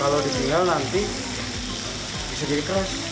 kalau dibilang nanti bisa jadi keras